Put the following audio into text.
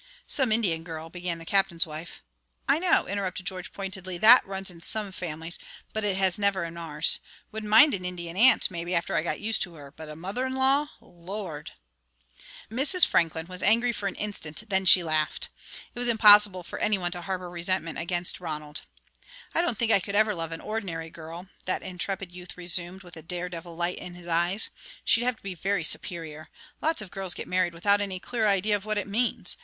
"Some Indian girl" began the Captain's wife. "I know," interrupted George, pointedly; "that runs in some families, but it never has in ours. Wouldn't mind an Indian aunt, maybe, after I got used to her; but a mother in law Lord!" Mrs. Franklin was angry for an instant, then she laughed. It was impossible for any one to harbour resentment against Ronald. "I don't think I could ever love an ordinary girl," that intrepid youth resumed, with a dare devil light in his eyes. "She'd have to be very superior. Lots of girls get married without any clear idea of what it means.